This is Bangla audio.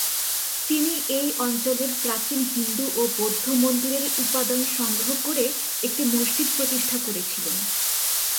তিনি এই অঞ্চলের প্রাচীন হিন্দু ও বৌদ্ধ মন্দিরের উপাদান সংগ্রহ করে একটি মসজিদ প্রতিষ্ঠা করেছিলেন।